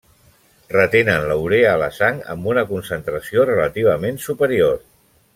Retenen la urea a la sang amb una concentració relativament superior.